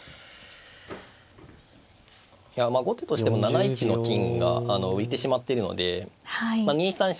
いやまあ後手としても７一の金が浮いてしまってるので２三飛車